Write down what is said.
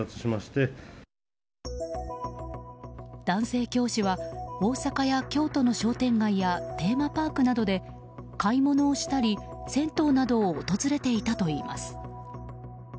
男性教師は大阪や京都の商店街やテーマパークなどで買い物をしたり銭湯などを訪れていたといいます。